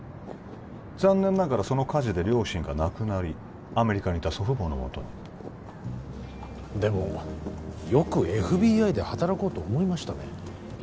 残念ながらその火事で両親が亡くなりアメリカにいた祖父母のもとにでもよくＦＢＩで働こうと思いましたね